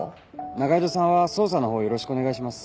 仲井戸さんは捜査のほうよろしくお願いします。